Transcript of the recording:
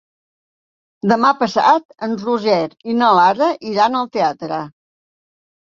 Demà passat en Roger i na Lara iran al teatre.